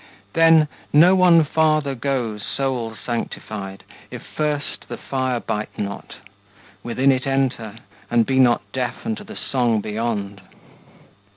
Then: "No one farther goes, souls sanctified, If first the fire bite not; within it enter, And be not deaf unto the song beyond."